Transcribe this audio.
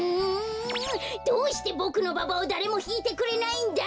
どうしてボクのババをだれもひいてくれないんだ！